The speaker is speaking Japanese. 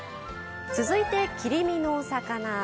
続いて切り身のお魚。